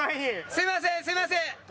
すみませんすみません。